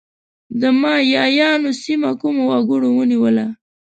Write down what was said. د مایایانو سیمه کومو وګړو ونیوله؟